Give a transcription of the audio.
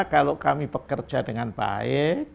kalau kami bekerja dengan baik